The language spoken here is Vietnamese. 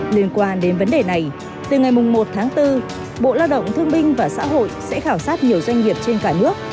liên quan đến vấn đề này từ ngày một tháng bốn bộ lao động thương minh và xã hội sẽ khảo sát nhiều doanh nghiệp trên cả nước